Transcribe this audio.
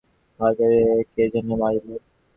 তাহাকে কে যেন মারিল।